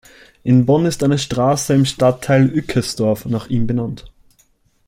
In Bonn ist eine Straße im Stadtteil Ückesdorf nach ihm benannt.